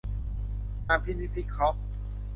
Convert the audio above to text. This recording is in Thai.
การพินิจพิเคราะห์